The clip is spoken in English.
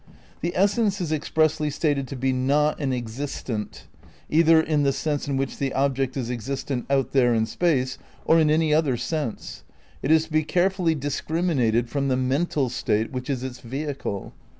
The essence is expressly stated to be not an existent, either in the sense in which the object is existent out there in space, or in any other sense. It is to be care fully discriminated from the "mental state" which is its "vehicle."